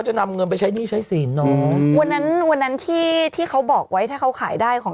จะนำเงินไปใช้หน้าที่เขาบอกไว้ถ้าเขาขายได้ของ